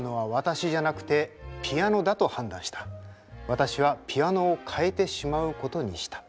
私はピアノを変えてしまうことにした。